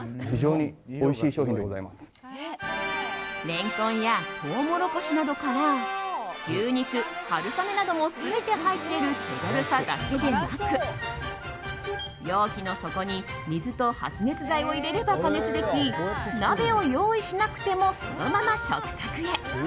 レンコンやトウモロコシなどから牛肉、春雨なども全て入っている手軽さだけでなく容器の底に水と発熱剤を入れれば加熱でき鍋を用意しなくてもそのまま食卓へ。